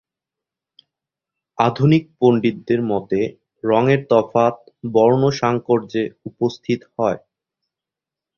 আধুনিক পণ্ডিতদের মতে রঙের তফাত বর্ণসাঙ্কর্যে উপস্থিত হয়।